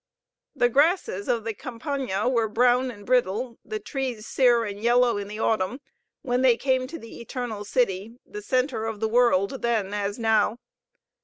The grasses of the Campagna were brown and brittle, the trees sere and yellow in the Autumn, when they came to the Eternal City, the center of the world then as now.